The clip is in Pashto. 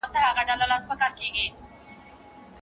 پلار وويل چي صحيح ځای ستا قدر پېژني.